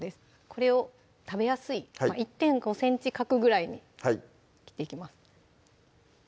これを食べやすい１．５ｃｍ角ぐらいに切っていきます